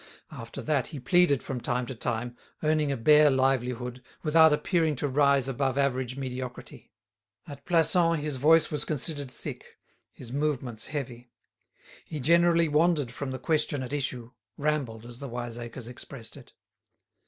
After that he pleaded from time to time, earning a bare livelihood, without appearing to rise above average mediocrity. At Plassans his voice was considered thick, his movements heavy. He generally wandered from the question at issue, rambled, as the wiseacres expressed it.